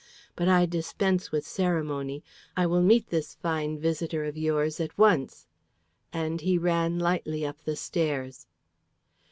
But I dispense with ceremony. I will meet this fine visitor of yours at once;" and he ran lightly up the stairs.